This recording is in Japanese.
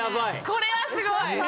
これはすごい！